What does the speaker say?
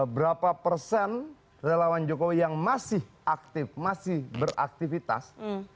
berapa persen relawan jokowi yang masih aktif masih beraktivitas